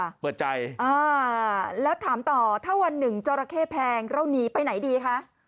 เปิดใจอ่าแล้วถามต่อถ้าวันหนึ่งจราเข้แพงเราหนีไปไหนดีคะ